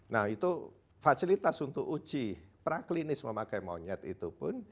nah itu fasilitas untuk uji praklinis memakai monyet itu pun